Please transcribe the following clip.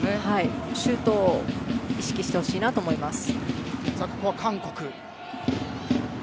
シュートを意識してほしいと思います。